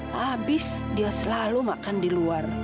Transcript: habis dia selalu makan di luar